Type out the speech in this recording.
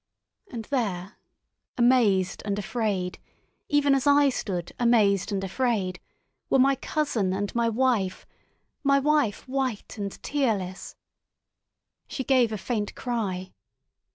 And there, amazed and afraid, even as I stood amazed and afraid, were my cousin and my wife—my wife white and tearless. She gave a faint cry.